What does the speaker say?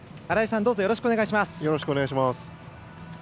新井さん、よろしくお願いします。